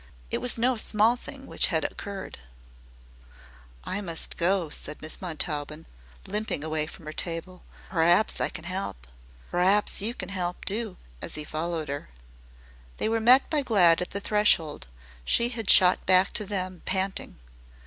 It was no small thing which had occurred. "I must go," said Miss Montaubyn, limping away from her table. "P'raps I can 'elp. P'raps you can 'elp, too," as he followed her. They were met by Glad at the threshold. She had shot back to them, panting.